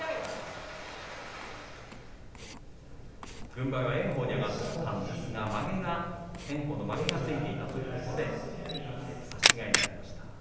軍配は炎鵬に上がったんですが炎鵬のまげがついたということで行司差し違えとなりました。